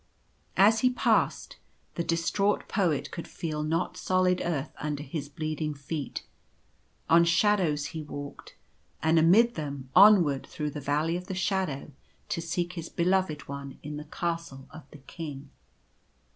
As he passed, the distraught Poet could feel not solid earth under his bleeding feet. On shadows he walked, and amid them, onward through the Valley of The Valley of the Shadow. 149 the Shadow to seek his Beloved One in the Castle of the King.